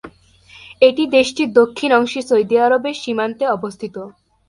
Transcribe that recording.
এটি দেশটির দক্ষিণ অংশে সৌদি আরবের সীমান্তে অবস্থিত।